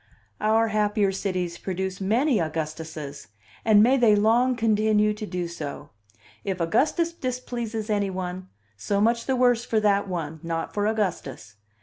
Our happier cities produce many Augustuses, and may they long continue to do so! If Augustus displeases any one, so much the worse for that one, not for Augustus.